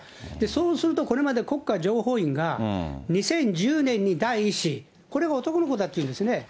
そうするとこれまで国家情報院が２０１０年に第１子、これが男の子だっていうんですね。